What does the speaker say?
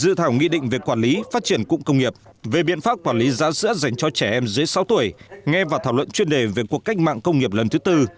dự thảo nghị định về quản lý phát triển cụng công nghiệp về biện pháp quản lý giá sữa dành cho trẻ em dưới sáu tuổi nghe và thảo luận chuyên đề về cuộc cách mạng công nghiệp lần thứ tư